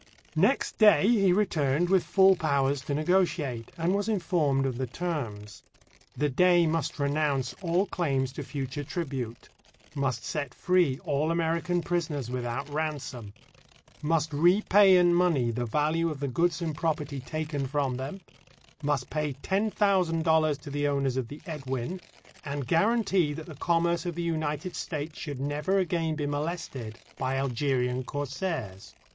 Next day he returned with full powers to negotiate, and was informed of the terms. The Dey must renounce all claims to future tribute; must set free all American prisoners without ransom; must repay in money the value of the goods and property taken from them; must pay ten thousand dollars to the owners of the Edwin, and guarantee that the commerce of the United States should never again be molested by Algerian corsairs.